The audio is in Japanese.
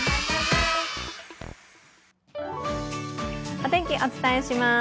お天気、お伝えします。